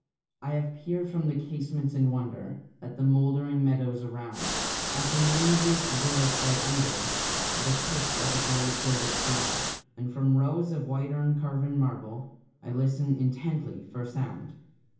I have peer'd from the casement in wonder At the mouldering meadows around, At the many roof'd village laid under The curse of a grave girdled ground; And from rows of white urn carven marble I listen intently for sound.